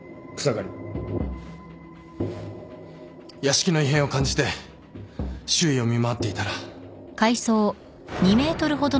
屋敷の異変を感じて周囲を見回っていたら。